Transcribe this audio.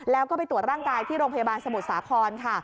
แล้วก็ไปตรวจร่างกายที่โรงพยาบาลสมุทรสาครค่ะ